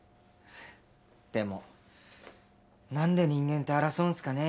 でもなんで人間って争うんすかね？